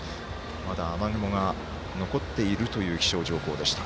まだ雨雲が残っているという気象情報でした。